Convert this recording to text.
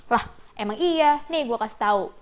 lah emang iya nih gue kasih tau